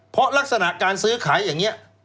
เพราะลักษณะการซื้อขายอย่างนี้